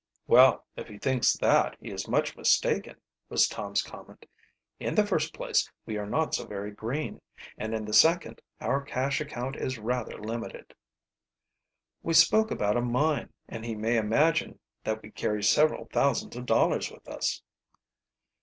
"Well, if he thinks that he is much mistaken," was Tom's comment. "In the first place we are not so very green, and in the second our cash account is rather limited." "We spoke about a mine, and he may imagine that we carry several thousands of dollars with us."